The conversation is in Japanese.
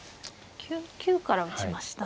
９九から打ちました。